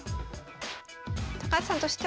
高橋さんとしては。